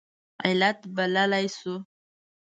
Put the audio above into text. علت بللی شو.